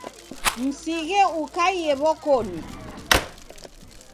Msighe ukaiye w'okoni.